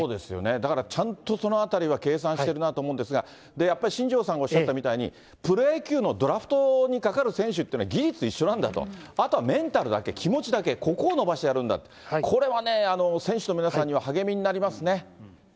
だから、ちゃんとそのあたりは計算してるなと思うんですが、やっぱり新庄さんおっしゃったみたいに、プロ野球のドラフトにかかる選手というのは、技術一緒なんだと、あとはメンタルだけ、気持ちだけ、ここを伸ばしてやるんだと、これはね、選手の皆さんには励みになりますね。